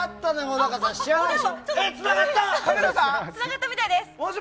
つながったみたいです。